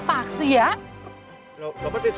โอ้โฮ